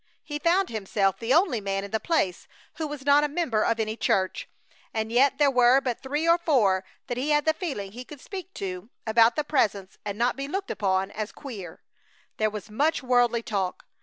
He found himself the only man in the place who was not a member of any church, and yet there were but three or four that he had the feeling he could speak to about the Presence and not be looked upon as "queer." There was much worldly talk.